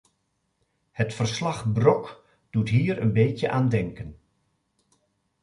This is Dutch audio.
Het verslag-Brok doet hier een beetje aan denken.